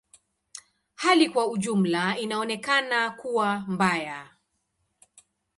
Hali kwa ujumla inaonekana kuwa mbaya.